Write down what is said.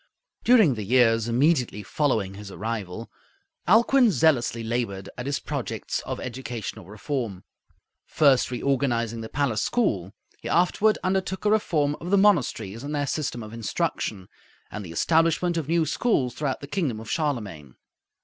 During the years immediately following his arrival, Alcuin zealously labored at his projects of educational reform. First reorganizing the palace school, he afterward undertook a reform of the monasteries and their system of instruction, and the establishment of new schools throughout the kingdom of Charlemagne.